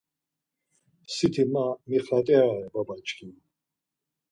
Siti ma mixat̆irare, babaçkimi.